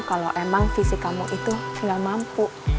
kalau emang fisik kamu itu nggak mampu